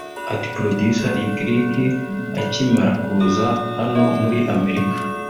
Ati “ Producer Licky Licky akimara kuza hano muri Amerika